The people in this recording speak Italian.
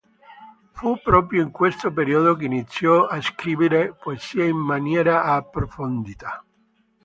Fu proprio in questo periodo che iniziò a scrivere poesie in maniera approfondita.